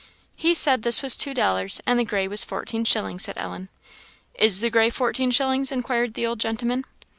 "He said this was two dollars, and the gray was fourteen shillings," said Ellen. "Is the gray fourteen shillings," inquired the old gentleman.